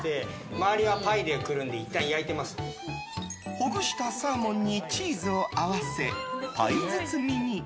ほぐしたサーモンにチーズを合わせ、パイ包みに。